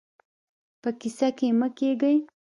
په کيسه کې يې مه کېږئ.